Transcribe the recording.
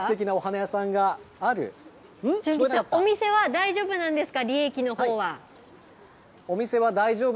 お店は大丈夫なんですか？